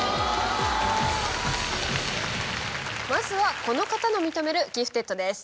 まずはこの方の認めるギフテッドです。